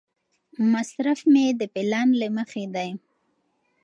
مصرف مې د پلان له مخې دی.